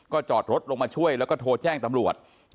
จอดรถลงมาช่วยแล้วก็โทรแจ้งตำรวจ